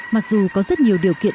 mặc dù có rất nhiều điều kiện